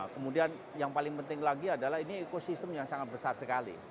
kemudian yang paling penting lagi adalah ini ekosistem yang sangat besar sekali